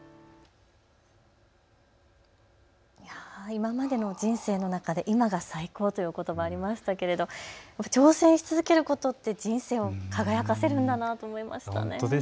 今までの人生の中で今が最高というおことばありましたけれど挑戦し続けることって人生を輝かせるんだなと思いました。